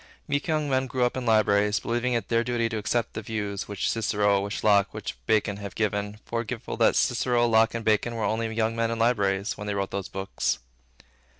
Meek young men grow up in libraries, believing it their duty to accept the views, which Cicero, which Locke, which Bacon, have given, forgetful that Cicero, Locke, and Bacon were only young men in libraries, when they wrote these books.